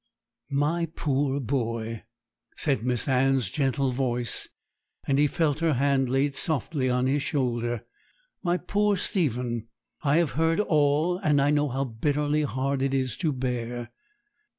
'My poor boy,' said Miss Anne's gentle voice, and he felt her hand laid softly on his shoulder. 'My poor Stephen, I have heard all, and I know how bitterly hard it is to bear.'